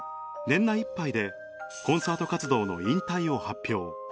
年内いっぱいでコンサート活動の引退を発表